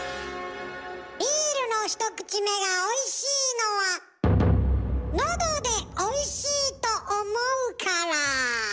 ビールの１口目がおいしいのはのどでおいしいと思うから。